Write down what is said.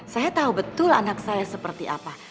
saya tahu betul anak saya seperti apa